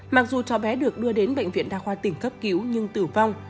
mặc dù cháu bé được đưa đến bệnh viện đa khoa tỉnh cấp cứu nhưng tử vong